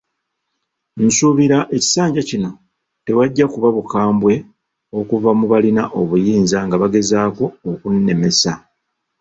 Nsuubira ekisanja kino tewajja kuba bukambwe okuva mu balina obuyinza nga bagezaako okunnemesa.